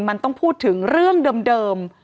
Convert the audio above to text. มันต้องพูดถึงเรื่องเดิม